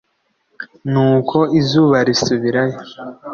Nuko izuba risubirayo,